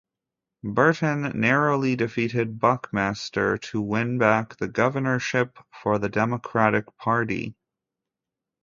Burton narrowly defeated Buckmaster to win back the governorship for the Democratic Party.